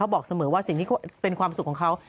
บอกเสมอว่าสิ่งที่เป็นความสุขของเขา